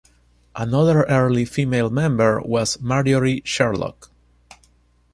Another early female member was Marjorie Sherlock.